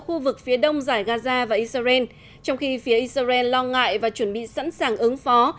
khu vực phía đông giải gaza và israel trong khi phía israel lo ngại và chuẩn bị sẵn sàng ứng phó